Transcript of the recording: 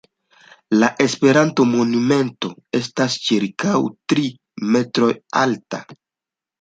La Esperanto monumento estas ĉirkaŭ tri metrojn alta.